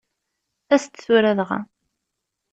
As-d tura dɣa.